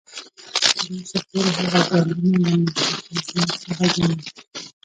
تر اوسه پورې هغه جنګونه له مسیحي مذهبه ګڼي.